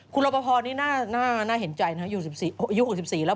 คุณรบพพอนซ์นี้หน้าเห็นใจนะฮะยูอายุ๖๔แล้ว